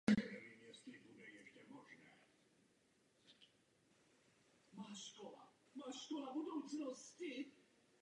Odtud vede trať poli a kolem letiště do Hostivice.